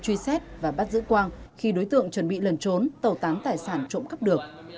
truy xét và bắt giữ quang khi đối tượng chuẩn bị lần trốn tẩu tán tài sản trộm cắp được